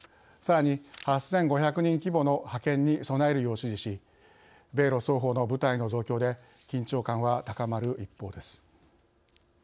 さらに８５００人規模の派遣に備えるよう指示し米ロ双方の部隊の増強で緊張は高まる一方です。